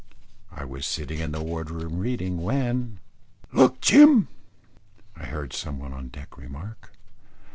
I was sitting in the ward room reading, when "Look Jim!" I heard some one on deck remark.